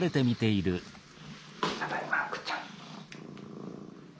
ただいまふくちゃん。